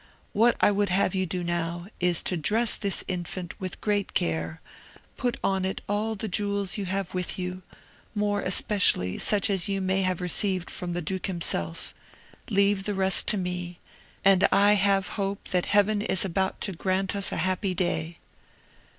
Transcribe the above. What I would have you now do is to dress this infant with great care, put on it all the jewels you have with you, more especially such as you may have received from the duke himself; leave the rest to me, and I have hope that Heaven is about to grant us a happy day."